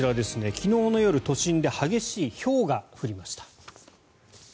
昨日の夜、都心で激しいひょうが降りました。